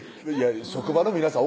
職場の皆さん